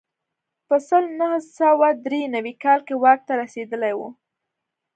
په سل نه سوه درې نوي کال کې واک ته رسېدلی و.